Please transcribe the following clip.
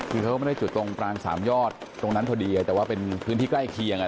คือเขาก็ไม่ได้จุดตรงกลางสามยอดตรงนั้นพอดีแต่ว่าเป็นพื้นที่ใกล้เคียง